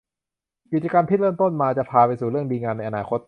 กิจกรรมที่เริ่มต้นมาจะพาไปสู่เรื่องดีงามในอนาคต